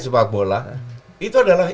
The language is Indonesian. sepak bola itu adalah